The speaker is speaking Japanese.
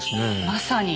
まさに。